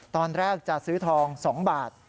ตอนแรกจะซื้อทอง๒บาท